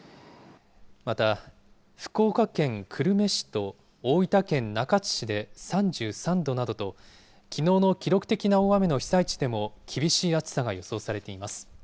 また福岡県久留米市と大分県中津市で３３度などと、きのうの記録的な大雨の被災地でも厳しい暑さが予想されています。